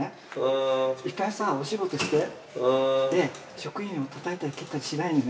職員をたたいたり蹴ったりしないでね。